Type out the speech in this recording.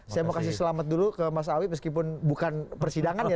saya mau kasih selamat dulu ke mas awi meskipun bukan persidangan ya